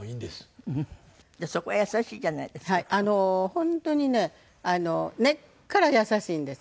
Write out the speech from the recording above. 本当にね根っから優しいんです。